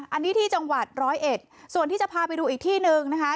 อันนี้ที่จังหวัดร้อยเอ็ดส่วนที่จะพาไปดูอีกที่หนึ่งนะคะ